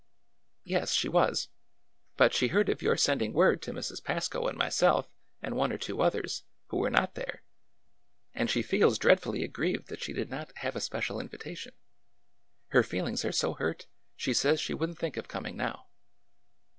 " Yes, she was. But she heard of your sending word to Mrs. Pasco and myself and one or two others, who were not there, and she feels dreadfully aggrieved that she did not have a special invitation. Her feelings are so hurt she says she would n't think of coming now."